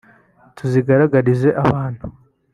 tuzigaragarize abantu